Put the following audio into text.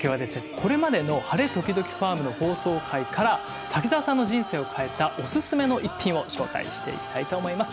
これまでの「晴れ、ときどきファーム！」の放送回から滝沢さんの人生を変えたおススメの一品を紹介していきたいと思います。